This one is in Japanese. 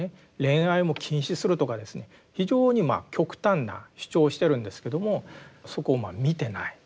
非常に極端な主張をしてるんですけどもそこを見てない。